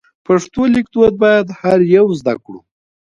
پښتو لیک دود باید هر یو زده کړو.